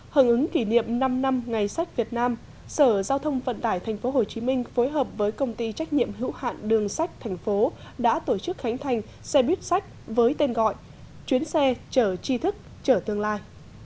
hứng ứng kỷ niệm năm năm ngày sách việt nam sở giao thông vận tải tp hcm phối hợp với công ty trách nhiệm hữu hạn đường sách tp đã tổ chức khánh thành xe buýt sách với tên gọi chuyến xe chở chi thức trở tương lai